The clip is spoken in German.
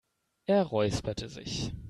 Er räusperte sich.